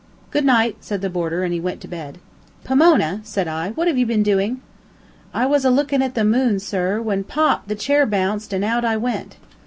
"Good night!" said the boarder, and he went to bed. "Pomona!" said I, "what have you been doing?" "I was a lookin' at the moon, sir, when pop! the chair bounced, and out I went."